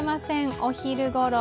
お昼ごろ。